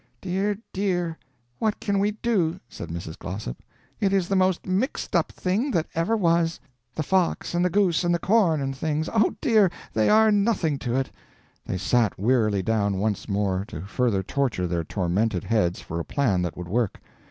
"Dear, dear, what can we do?" said Mrs. Glossop; "it is the most mixed up thing that ever was. The fox and the goose and the corn and things Oh, dear, they are nothing to it." They sat wearily down once more, to further torture their tormented heads for a plan that would work.